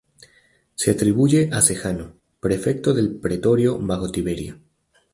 Se atribuye a Sejano, Prefecto del pretorio bajo Tiberio.